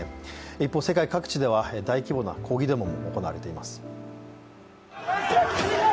一方、世界各地では大規模な抗議デモも行われています。